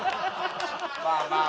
まあまあ。